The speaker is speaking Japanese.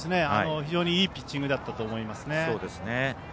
非常にいいピッチングだったと思います。